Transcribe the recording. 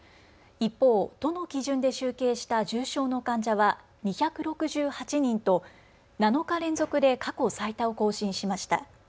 一方、都の基準で集計した重症の患者は２６８人と７日連続で過去最多を更新しました。